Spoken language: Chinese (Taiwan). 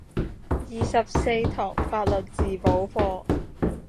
二十四堂法律自保課